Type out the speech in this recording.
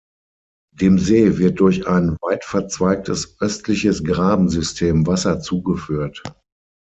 Dem See wird durch ein weitverzweigtes östliches Grabensystem Wasser zugeführt.